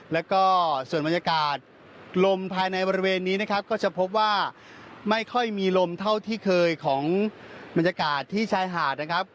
แล้วก็ส่วนบรรยากาศลมภายในบริเวณนี้นะครับก็จะพบว่าไม่ค่อยมีลมเท่าที่เคยของบรรยากาศที่ชายหาดนะครับ